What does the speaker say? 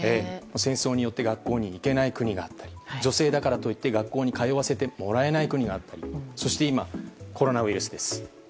戦争によって学校に行けない国があったり女性だからといって学校に通わせてもらえない国があったりそして今、コロナウイルスです。